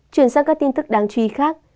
chuyển sang các tin tức đáng chú ý khác